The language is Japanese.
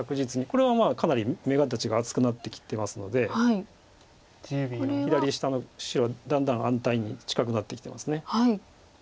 これはかなり眼形が厚くなってきてますので左下の白だんだん安泰に近くなってきてます。